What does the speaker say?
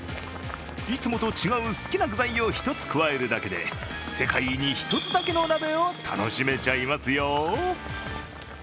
いつもと違う好きな具材を一つ加えるだけで世界に一つだけの鍋を楽しめちゃいますよ。